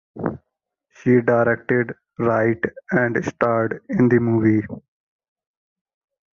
She directed, write and starred in the movie.